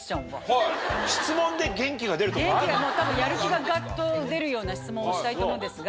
多分やる気がガッと出るような質問をしたいと思うんですが。